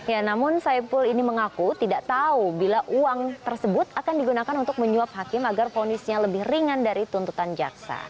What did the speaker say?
ya namun saipul ini mengaku tidak tahu bila uang tersebut akan digunakan untuk menyuap hakim agar ponisnya lebih ringan dari tuntutan jaksa